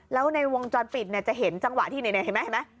แล้วในวงจรปิดจะเห็นจังหวะที่ไหนใช่ไหม